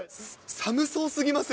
寒そうすぎません？